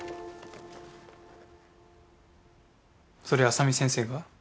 それ浅海先生が？